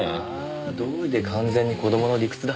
どうりで完全に子供の理屈だ。